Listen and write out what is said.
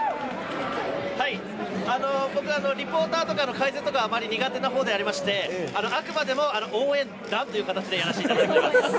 僕、リポーターとか解説とか苦手な方でございましてあくまでも「応援団」という形でやらせていただいています。